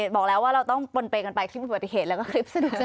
บอกแล้วว่าเราต้องปนเปย์กันไปคลิปอุบัติเหตุแล้วก็คลิปสะดวก